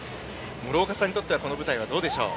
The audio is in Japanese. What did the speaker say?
諸岡さんにとってはこの舞台はどうでしょう？